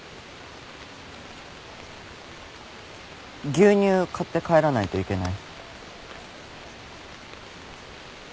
牛乳買って帰らないといけない。